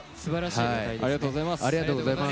ありがとうございます。